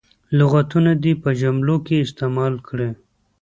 لغتونه دې په جملو کې استعمال کړي.